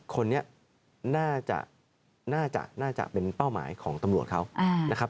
คนน่าจะเป็นเป้าหมายของตำรวจเขานะครับ